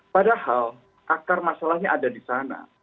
padahal akar masalahnya ada di sana